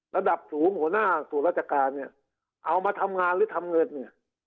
ระดับสูงหัวหน้าส่วนราชการเนี่ยเอามาทำงานหรือทำเงินเนี่ย